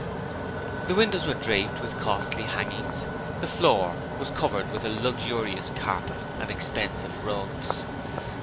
The windows were draped with costly hangings, the floor was covered with a luxurious carpet and expensive rugs.